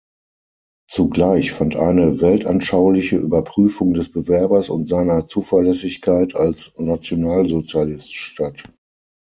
Zugleich fand eine weltanschauliche Überprüfung des Bewerbers und seiner Zuverlässigkeit als Nationalsozialist statt.